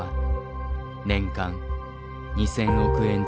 年間２，０００億円近く。